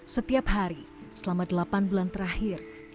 setiap hari selama delapan bulan terakhir